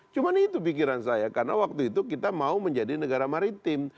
cuma itu pikiran saya karena waktu itu kita mau menjadi negara maritim